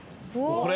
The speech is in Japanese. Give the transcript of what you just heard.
これ？